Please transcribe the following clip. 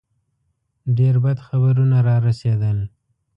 ډېر بد خبرونه را رسېدل.